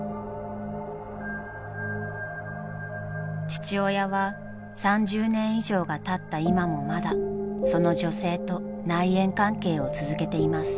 ［父親は３０年以上がたった今もまだその女性と内縁関係を続けています］